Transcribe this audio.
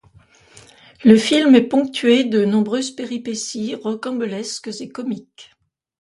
Le film est ponctué de nombreuses péripéties rocambolesques et comiques.